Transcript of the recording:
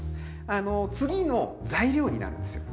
あの次の材料になるんですよ。